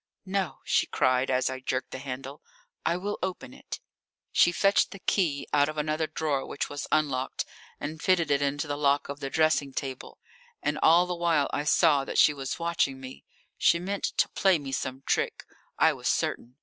"No," she cried, as I jerked the handle. "I will open it." She fetched the key out of another drawer which was unlocked, and fitted it into the lock of the dressing table. And all the while I saw that she was watching me. She meant to play me some trick, I was certain.